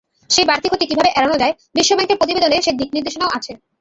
সেই বাড়তি ক্ষতি কীভাবে এড়ানো যায়, বিশ্বব্যাংকের প্রতিবেদনে সেই দিকনির্দেশনাও আছে।